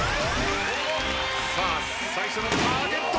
最初のターゲット。